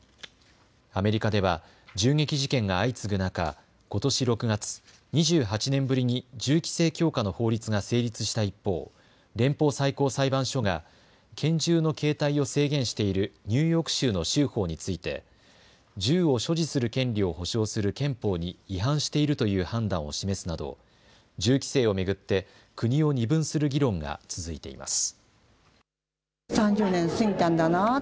アメリカでは銃撃事件が相次ぐ中、ことし６月、２８年ぶりに銃規制強化の法律が成立した一方、連邦最高裁判所が拳銃の携帯を制限しているニューヨーク州の州法について銃を所持する権利を保障する憲法に違反しているという判断を示すなど銃規制を巡って国を二分する議論が続いています。